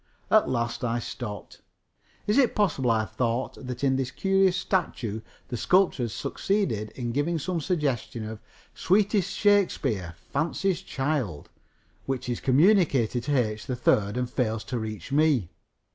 At last I stopped. Is it possible, I thought, that in this curious statue the sculptor has succeeded in giving some suggestion of "sweetest Shakespeare, fancy's child," which is communicated to H. 3rd and fails to reach me?